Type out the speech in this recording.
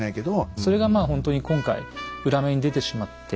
それがまあほんとに今回裏目に出てしまって。